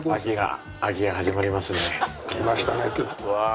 来ましたね。